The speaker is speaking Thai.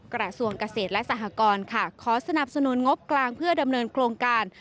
กระทรวงเกษตรและสหกรค่ะขอสนับสนุนงบกลางเพื่อดำเนินโครงการ